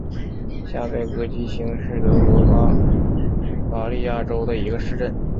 下贝格基兴是德国巴伐利亚州的一个市镇。